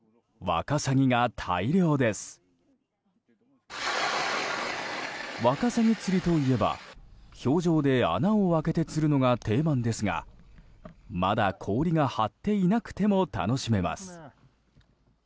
ワカサギ釣りといえば氷上で穴を開けて釣るのが定番ですがまだ氷が張っていなくても楽しめます。